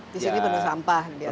disini penuh sampah biasanya